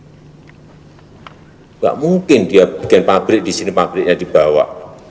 tidak mungkin dia bikin pabrik di sini pabriknya dibawa